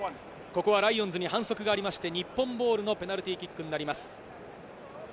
ライオンズに反則がありまして日本ボールのペナルティーキックになります。